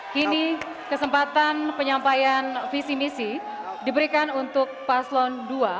kini kesempatan penyampaian visi misi diberikan untuk paslon dua